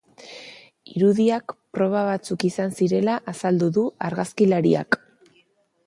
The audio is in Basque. Irudiak proba batzuk izan zirela azaldu du argazkilariak.